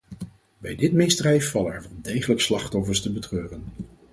Bij dit misdrijf vallen er wel degelijk slachtoffers te betreuren.